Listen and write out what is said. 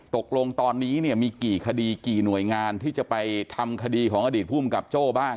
ตกลงตอนนี้เนี่ยมีกี่คดีกี่หน่วยงานที่จะไปทำคดีของอดีตภูมิกับโจ้บ้าง